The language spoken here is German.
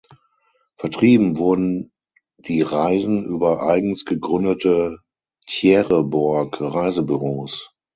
Vertrieben wurden die Reisen über eigens gegründete Tjaereborg-Reisebüros.